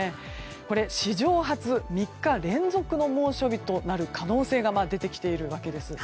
これ、史上初３日連続の猛暑日となる可能性が出てきているわけです。